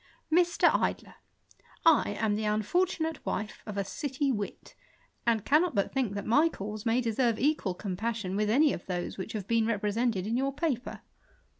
Mr. Idler, J* AM the unfortunate wife of a city wit, and cannot but "^ think that my case may deserve equal compassion ^^ith any of those which have been represented in your l^^per.